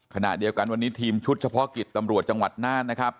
ขณะเดียวกันวันนี้ทีมชุดเฉพาะกิจตำรวจจังหวัดน่านนะครับ